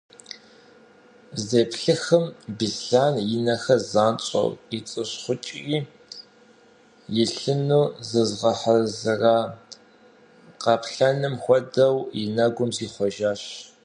Здеплъыхым Беслъэн и нэхэр занщӏэу къицӏыщхъукӏри, илъыну зызыгъэхьэзыра къаплъэным хуэдэу, и нэгум зихъуэжащ.